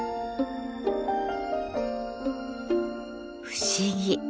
不思議。